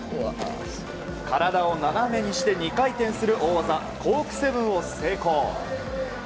体を斜めにして２回転する大技コーク７２０を成功。